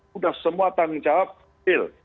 sudah semua tanggung jawab real